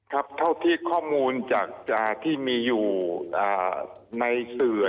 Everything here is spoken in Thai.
ครับเท่าที่ข้อมูลจากที่มีอยู่ในสื่อ